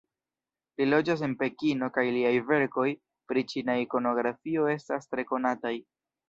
Li loĝas en Pekino kaj liaj verkoj pri ĉina ikonografio estas tre konataj.